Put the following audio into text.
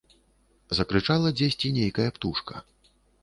Закрычала дзесьці нейкая птушка.